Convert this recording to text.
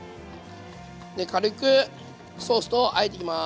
で軽くソースとあえていきます。